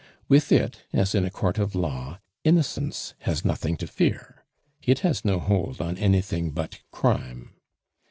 With it, as in a Court of Law, innocence has nothing to fear; it has no hold on anything but crime.